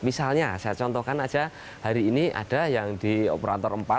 misalnya saya contohkan aja hari ini ada yang di operator empat